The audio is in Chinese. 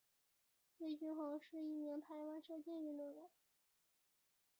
魏均珩是一名台湾射箭运动员。